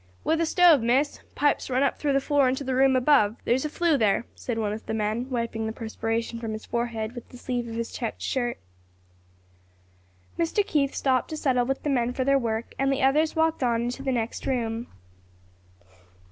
"With a stove, Miss; pipes run up through the floor into the room above; there's a flue there," said one of the men, wiping the perspiration from his forehead with the sleeve of his checked shirt. Mr. Keith stopped to settle with the men for their work, and the others walked on into the next room.